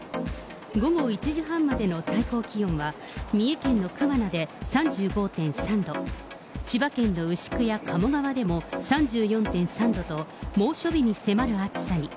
午後１時半までの最高気温は、三重県の桑名で３５．３度、千葉県の牛久や鴨川でも３４．３度と、猛暑日に迫る暑さに。